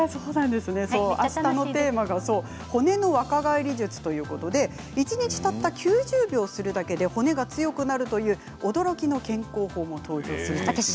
あしたのテーマが骨の若返り術ということで一日たった９０秒するだけで骨が強くなるという驚きの健康法も登場すると。